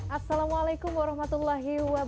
assalamualaikum wr wb